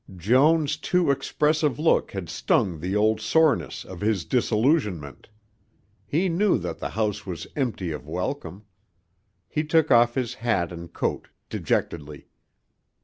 Joan's too expressive look had stung the old soreness of his disillusionment. He knew that the house was empty of welcome. He took off his hat and coat dejectedly.